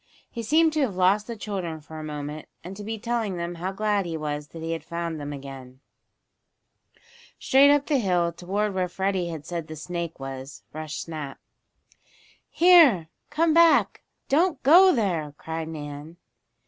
He seemed to have lost the children for a moment and to be telling them how glad he was that he had found them again. Straight up the hill, toward where Freddie had said the snake was, rushed Snap. "Here! Come back! Don't go there!" cried Nan.